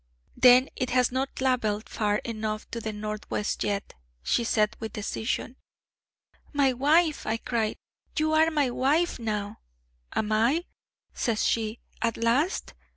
'Then it has not tlavelled far enough to the north west yet,' she said with decision. 'My wife!' I cried: 'you are my wife now!' 'Am I?' says she: 'at last?